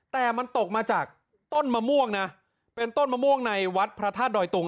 แต่มันตกมาจากต้นมะม่วงนะเป็นต้นมะม่วงในวัดพระธาตุดอยตุง